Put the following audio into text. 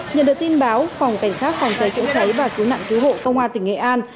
nhận được tin báo phòng cảnh sát phòng cháy chữa cháy và cứu nạn cứu hộ công an tỉnh nghệ an